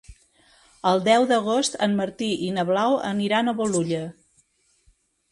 El deu d'agost en Martí i na Blau aniran a Bolulla.